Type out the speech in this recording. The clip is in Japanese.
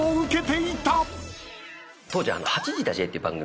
当時。